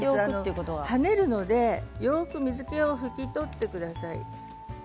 はねるのでよく水けを拭き取ってください。